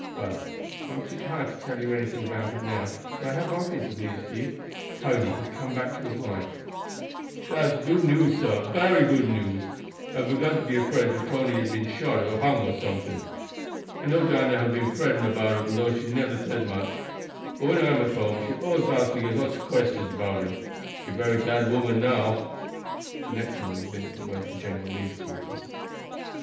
Well, I am too tired to tell you anything about it now, but I have one piece of news for you; Tony has come back to his wife." "Dat's good news, sah; bery good news. I had begun to be afraid dat Tony had been shot or hung or someting. I know Dinah hab been fretting about him though she never said much, but when I am at home she allus asks me all sorts of questions 'bout him. She bery glad woman now." The next morning Vincent went to General Lee's quarters.